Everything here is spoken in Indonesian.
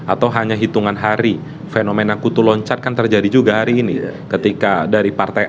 atau hanya hitungan hari fenomena kutu loncat kan terjadi juga hari ini ketika dari partai